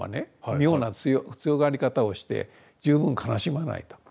妙な強がり方をして十分悲しまないと。